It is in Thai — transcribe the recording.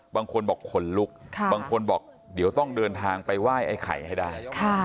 บางคนบอกขนลุกบางคนบอกเดี๋ยวต้องเดินทางไปไหว้ไอ้ไข่ให้ได้